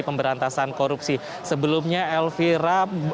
pemberantasan korupsi sebelumnya elvira